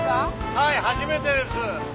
はい初めてです。